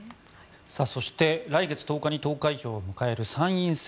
そして来月１０日に投開票を迎える参院選